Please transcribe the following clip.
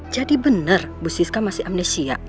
jadi bener bu siska masih amnesia